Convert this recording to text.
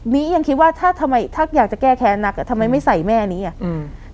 ียังคิดว่าถ้าทำไมถ้าอยากจะแก้แค้นนักอ่ะทำไมไม่ใส่แม่นี้อ่ะอืม